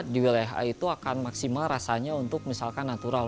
di wilayah a itu akan maksimal rasanya untuk misalkan natural